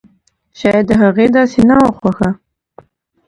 شايد د هغې داسې نه وه خوښه!